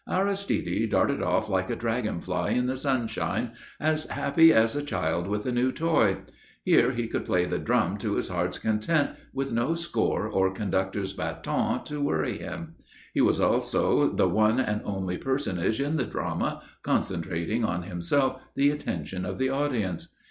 Aristide darted off like a dragon fly in the sunshine, as happy as a child with a new toy. Here he could play the drum to his heart's content with no score or conductor's bâton to worry him. He was also the one and only personage in the drama, concentrating on himself the attention of the audience.